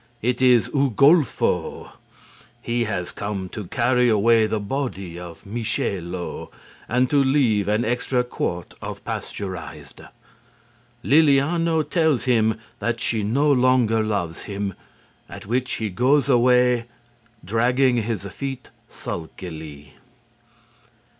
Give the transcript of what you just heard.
It is Ugolfo. He has come to carry away the body of Michelo and to leave an extra quart of pasteurized. Lilliano tells him that she no longer loves him, at which he goes away, dragging his feet sulkily.